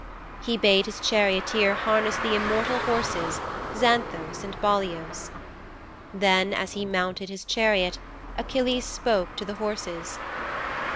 He bade his charioteer harness the immortal horses Xanthos and Balios. Then as he mounted his chariot Achilles spoke to the horses.